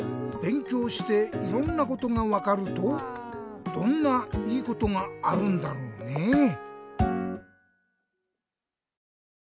べんきょうしていろんなことがわかるとどんないいことがあるんだろうねぇ？